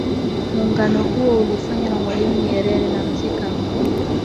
Muungano huo ulifanywa na mwalimu nyerere na mzee karume